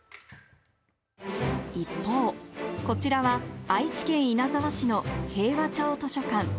一方、こちらは愛知県稲沢市の平和町図書館。